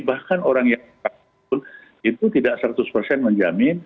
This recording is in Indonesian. bahkan orang yang itu tidak seratus persen menjamin